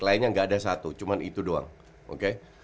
lainnya gak ada satu cuman itu doang oke